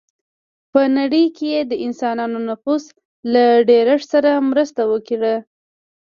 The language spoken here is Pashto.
په نړۍ کې یې د انسانانو نفوس له ډېرښت سره مرسته وکړه.